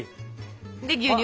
で牛乳？